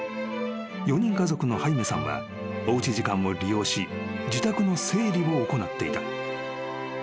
［４人家族のハイメさんはおうち時間を利用し自宅の整理を行っていた］